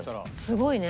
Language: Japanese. すごいね。